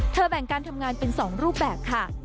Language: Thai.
แบ่งการทำงานเป็น๒รูปแบบค่ะ